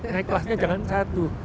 naik kelasnya jangan satu